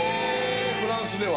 フランスでは。